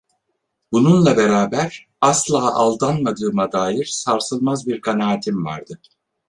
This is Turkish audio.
Bununla beraber, asla aldanmadığıma dair sarsılmaz bir kanaatim vardı.